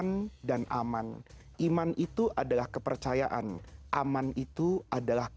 anda harus mampu menanamkan kepercayaan kepada rakyat